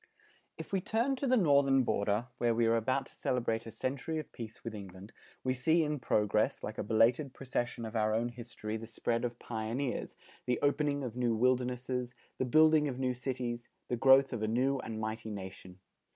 If we turn to the Northern border, where we are about to celebrate a century of peace with England, we see in progress, like a belated procession of our own history the spread of pioneers, the opening of new wildernesses, the building of new cities, the growth of a new and mighty nation.